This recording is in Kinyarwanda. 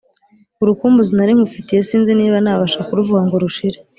Urukumbuzi nari nkufitiye sinzi niba nabasha kuruvuga ngo rushire